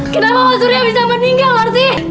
kenapa mas surya bisa meninggal berarti